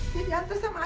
dia nyantas sama ayah